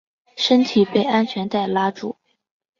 身体被安全带拉住